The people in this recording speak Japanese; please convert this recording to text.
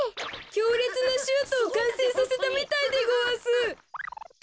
きょうれつなシュートをかんせいさせたみたいでごわす。